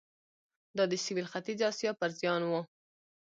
دا د سوېل ختیځې اسیا پر زیان و.